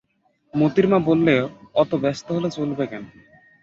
মোতির মা বললে, অত ব্যস্ত হলে চলবে কেন?